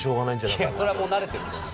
いやそれはもう慣れてると思う。